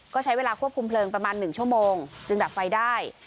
ก็ใช้เวลาควบคุมเพลิงประมาณ๑ชั่วโมงจึงดับไฟได้